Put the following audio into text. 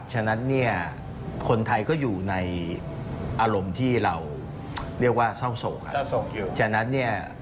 ฉะนั้นเนี่ยคนไทยก็อยู่ในอารมณ์ที่เราเรียกว่าเศร้าโศกเศร้าอยู่ฉะนั้นเนี่ย